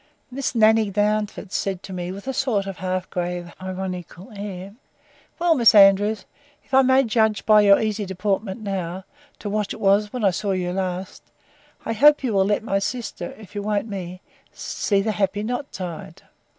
—Miss Nanny Darnford said to me, with a sort of half grave, ironical air,—Well, Miss Andrews, if I may judge by your easy deportment now, to what it was when I saw you last, I hope you will let my sister, if you won't me, see the happy knot tied!